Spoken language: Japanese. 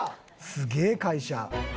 すげえ会社。